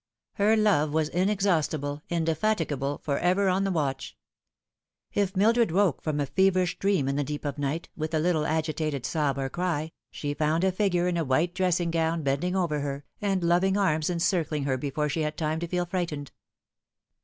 Her love was inexhaustible, indefatigable, for ever on the watch. If Mildred woke from a feverish dream in the deep of night, with a little agitated sob or cry, she found a figure in a white dress ing gown bending over her, and loving arms encircling her before she had time to feel frightened.